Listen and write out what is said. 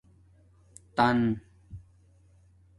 تن